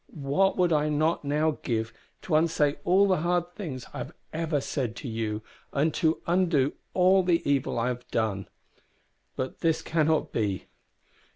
what would I not now give to unsay all the hard things I have ever said to you, and to undo all the evil I have done. But this cannot be.